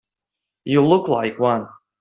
You look like one.